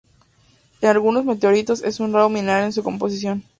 En algunos meteoritos es un raro mineral en su composición.